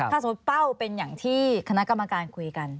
ถ้าสมมุติเป้าเป็นอย่างที่คณะกรรมการคุยกัน